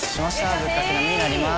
ぶっかけ並になります。